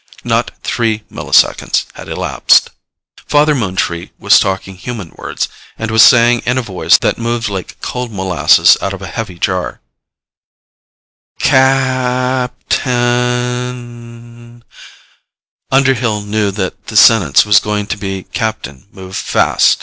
Not three milliseconds had elapsed. Father Moontree was talking human words and was saying in a voice that moved like cold molasses out of a heavy jar, "C A P T A I N." Underhill knew that the sentence was going to be "Captain, move fast!"